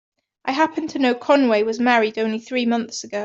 I happen to know Conway was married only three months ago.